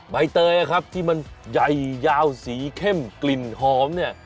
ใบเตยครับที่มันใหญ่ยาวสีเข้มกลิ่นหอมเนี่ย